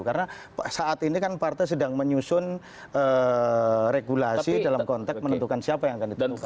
karena saat ini kan partai sedang menyusun regulasi dalam konteks menentukan siapa yang akan ditentukan